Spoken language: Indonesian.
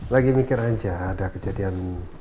lagi mikir aja ada kejadian